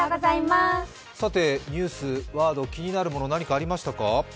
ニュースワード、気になるもの、何かありましたか？